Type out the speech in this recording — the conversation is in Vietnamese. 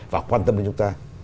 và quan tâm đến chúng ta